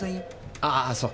ああそう。